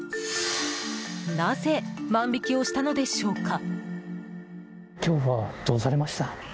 なぜ万引きをしたのでしょうか？